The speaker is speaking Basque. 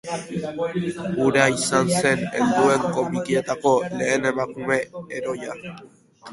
Hura izan zen helduen komikietako lehen emakume heroia.